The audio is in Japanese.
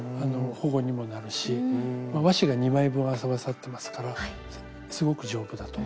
保護にもなるし和紙が２枚分合わさってますからすごく丈夫だと思います。